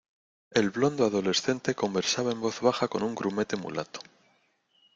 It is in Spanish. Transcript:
el blondo adolescente conversaba en voz baja con un grumete mulato.